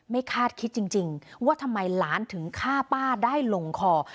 คาดคิดจริงว่าทำไมหลานถึงฆ่าป้าได้ลงคอ